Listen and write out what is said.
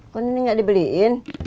kok ini gak dibeliin